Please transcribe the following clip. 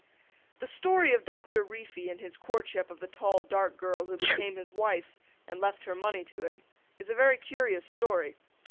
The story of Doctor Reefy and his courtship of the tall dark girl who became his wife and left her money to him is a very curious story.